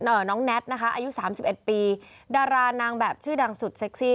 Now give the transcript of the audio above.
น้องแน็ตนะคะอายุสามสิบเอ็ดปีดารานางแบบชื่อดังสุดเซ็กซี่